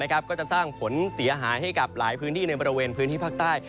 ก็จะสร้างผลเสียหายให้กับหลายพื้นที่ในบริเวณพื้นที่ภาคใต้